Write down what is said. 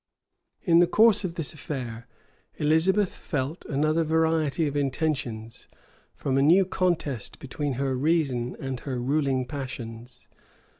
In the course of this affair, Elizabeth felt another variety of intentions, from a new contest between her reason and her ruling passions.